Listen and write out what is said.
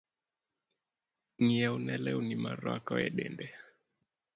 Ng'iewne lewni moruako e dende.